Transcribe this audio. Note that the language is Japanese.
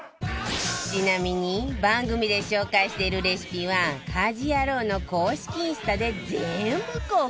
ちなみに番組で紹介しているレシピは『家事ヤロウ！！！』の公式インスタで全部公開中